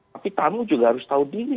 tapi tamu juga harus tahu diri